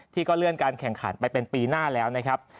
ที่ก็เลื่อนการแข่งขันไปเป็นปีหน้าแล้วนะครับ